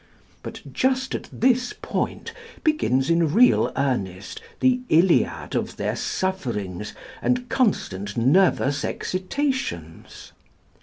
But just at this point begins in real earnest the Iliad of their sufferings and constant nervous excitations.